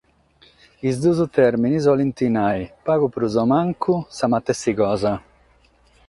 Sos duos tèrmines cherent nàrrere, pagu prus o mancu, sa matessi cosa.